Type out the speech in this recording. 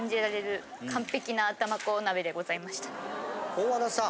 大和田さん